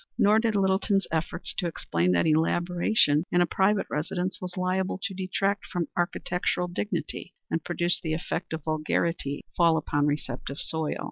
Nor did Littleton's efforts to explain that elaboration in a private residence was liable to detract from architectural dignity and to produce the effect of vulgarity fall upon receptive soil.